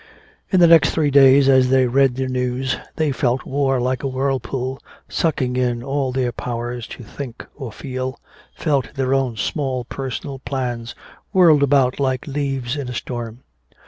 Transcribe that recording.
In the next three days, as they read the news, they felt war like a whirlpool sucking in all their powers to think or feel, felt their own small personal plans whirled about like leaves in a storm.